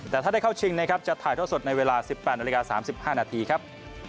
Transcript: แต่ถ้าได้เข้าชิงนะครับจะถ่ายท่อสดในเวลา๑๘นาฬิกา๓๕นาทีครับ